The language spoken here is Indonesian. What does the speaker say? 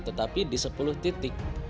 tetapi di sepuluh titik